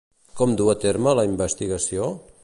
Com duu a terme la investigació?